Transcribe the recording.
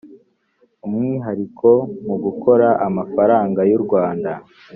umwihariko mu gukora amafaranga yu rwanda.